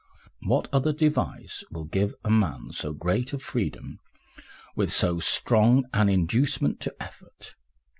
What other device will give a man so great a freedom with so strong an inducement to effort?